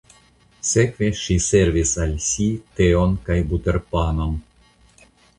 Sekve ŝi servis al si teon kaj buterpanon.